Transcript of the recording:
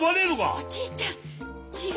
おじいちゃん血が。